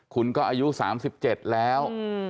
คุณก็อายุ๓๗แล้ว